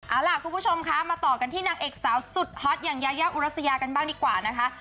เอาล่ะคุณผู้ชมคะมาต่อกันที่นางเอกสาวสุดฮอตอย่างยายาอุรัสยากันบ้างดีกว่านะคะ